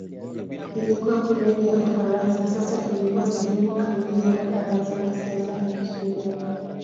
Ilikuwa koloni la Ufaransa; sasa imekuwa sehemu kamili ya Ufaransa kisiasa na kisheria.